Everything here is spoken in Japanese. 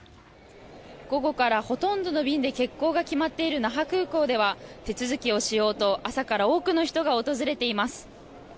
午後からほとんどの便で欠航が決まっている那覇空港では手続きをしようと朝から多くの人が訪れています。